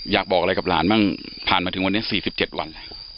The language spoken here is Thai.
อยากบอกอะไรกับหลานบ้างผ่านมาถึงวันนี้๔๗วัน